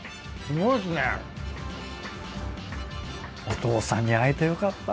お父さんに会えてよかった。